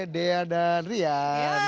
dea dan rian